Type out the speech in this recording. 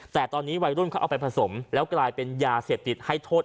แต่ตอนนี้วัยรุ่นเขาเอาไปผสมแล้วกลายเป็นยาเสพติดให้โทษ